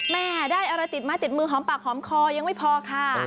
แม่ได้อะไรติดไม้ติดมือหอมปากหอมคอยังไม่พอค่ะ